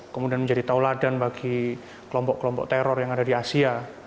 kemudian menjadi tauladan bagi kelompok kelompok teror yang ada di asia